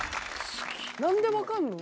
何で分かんの？